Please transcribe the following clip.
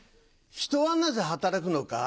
人はなぜ働くのか？